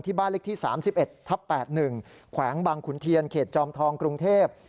บ้านเลขที่๓๑ทับ๘๑แขวงบางขุนเทียนเขตจอมทองกรุงเทพ